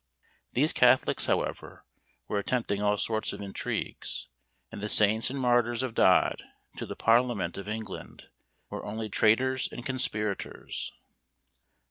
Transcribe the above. These catholics, however, were attempting all sorts of intrigues; and the saints and martyrs of Dodd, to the parliament of England, were only traitors and conspirators!